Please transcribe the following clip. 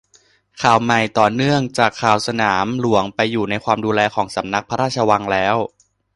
ข่าวใหม่ ต่อเนื่องจากข่าวสนามหลวงไปอยู่ในความดูแลของสำนักพระราชวังแล้ว